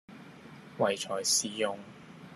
唯才是用